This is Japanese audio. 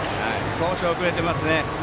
少し遅れていますね。